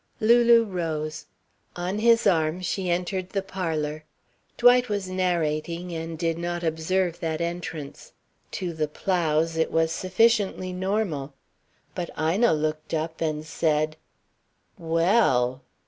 Lulu rose. On his arm she entered the parlour. Dwight was narrating and did not observe that entrance. To the Plows it was sufficiently normal. But Ina looked up and said: "Well!"